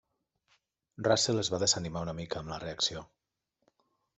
Russell es va desanimar una mica amb la reacció.